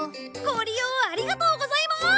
ご利用ありがとうございます！